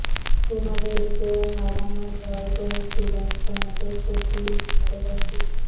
তোমাদেরকে হারানোর ভয় করেছিলাম, তোমাদের সত্যিই ভালোবাসি।